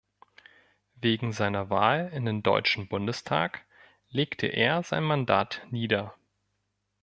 Wegen seiner Wahl in den Deutschen Bundestag legte er sein Mandat nieder.